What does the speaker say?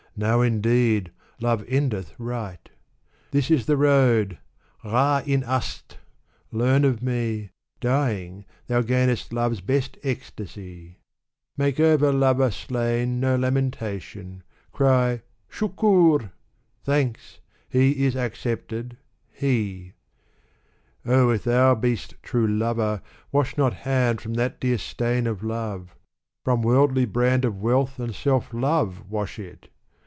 now^ indeed, Love endeth right "ITiis is the Road ! J^ak in astf learn of mc; Dying thou gainest love's best ecstasy J " Make over Lover slain no lamentation ; Cry Shukurl thanks !— He is accepted j he Oh, if thou be'st true Lover, wash not hand From that dear stain of Love I from worldly brand Of wealth and self love wash it